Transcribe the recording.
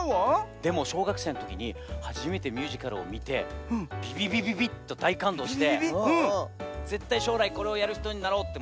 でもしょうがくせいのときにはじめてミュージカルをみてビビビビビッとだいかんどうしてぜったいしょうらいこれをやるひとになろうってきめたんだよね。